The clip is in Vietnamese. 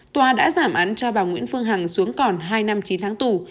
tòa đã giảm án cho bà nguyễn phương hằng xuống còn hai năm chín tháng tù